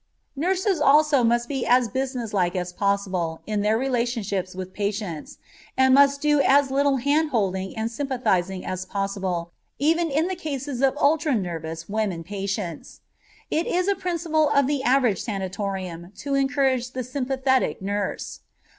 Nurses also must be as businesslike as possible in all their relationships with patients, and must do as little hand holding and sympathizing as possible even in the cases of ultra nervous women patients. It is a principle of the average sanatorium to encourage the "sympathetic" nurse.